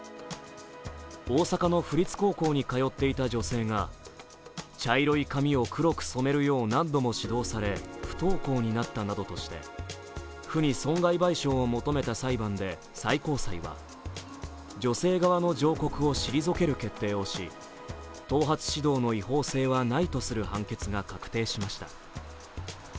大阪の府立高校に通っていた女性が茶色い髪を黒く染めるよう何度も指導され、不登校になったなどとして、府に損害賠償を求めた裁判で最高裁は、女性側の上告を退ける決定をし、頭髪指導の違法性はないとする判決が確定しました。